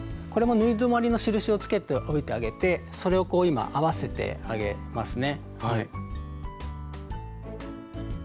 これも縫い止まりの印をつけておいてあげてそれをこう今合わせてあげますね。